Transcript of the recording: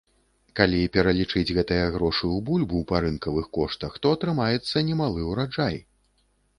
Калі пералічыць гэтыя грошы ў бульбу па рынкавых коштах, то атрымаецца немалы ўраджай.